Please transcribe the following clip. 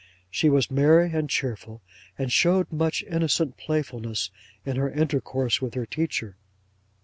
She was merry and cheerful, and showed much innocent playfulness in her intercourse with her teacher.